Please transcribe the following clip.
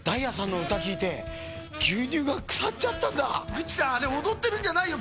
グッチさんあれおどってるんじゃないよ